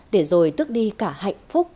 để rồi tước đi cả hạnh phúc